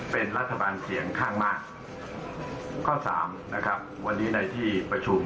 เป็นรัฐบาลเสียงข้างมากข้อสามนะครับวันนี้ในที่ประชุม